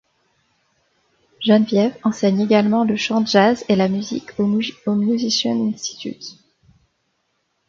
Genevieve enseigne également le chant jazz et la musique au Musicians Institute.